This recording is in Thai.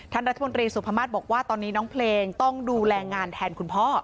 ท่านรัฐมนตรีสุภามาศบอกว่าตอนนี้น้องเพลงต้องดูแลงานแทนคุณพ่อ